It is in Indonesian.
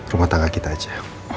rumah tangga kita aja